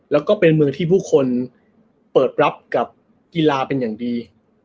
แล้วก็เป็นเมืองที่ผู้คนเปิดรับกับกีฬาเป็นอย่างดี